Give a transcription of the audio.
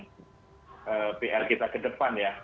ini yang akan kita lakukan